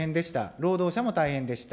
労働者も大変でした。